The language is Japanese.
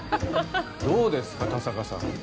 どうですか、田坂さん。